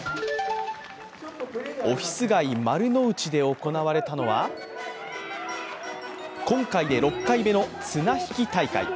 オフィス街・丸の内で行われたのは今回で６回目の綱引き大会。